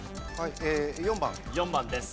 ４番です。